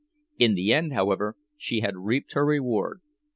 In the end, however, she had reaped her reward.